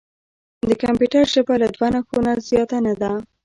د کمپیوټر ژبه له دوه نښو نه زیاته نه ده.